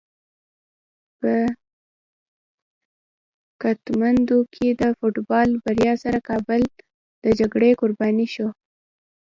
په کتمندو کې د فوټبال بریا سره کابل د جګړې قرباني شو.